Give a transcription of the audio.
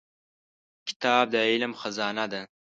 کتاب د علم خزانه ده.